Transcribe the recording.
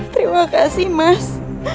terima kasih mas